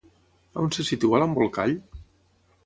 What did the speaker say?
On se situa l'embolcall?